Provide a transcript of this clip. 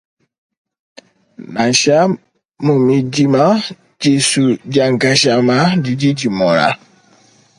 Nansha mu midima disu dia nkashama didi dimona.